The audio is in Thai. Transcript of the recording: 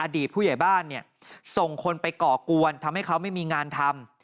อดีตผู้ใหญ่บ้านส่งคนไปก่อกวนทำให้เขาไม่มีงานทำ